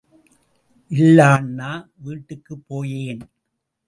இல்லன்னா வீட்டுக்குப் போயேன்.